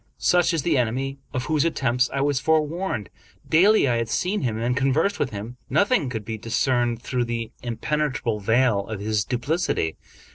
Such is the enemy of whose attempts I was forewarned. Daily I had seen him and conversed with him. Nothing could be discerned through the impenetrable veil of his duplicity.